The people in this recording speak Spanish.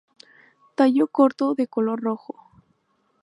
Tallo corto de color rojo.